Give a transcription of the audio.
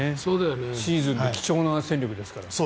シーズンで貴重な戦力ですから。